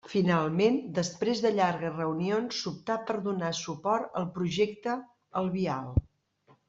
Finalment, després de llargues reunions s'optà per donar suport al projecte al vial.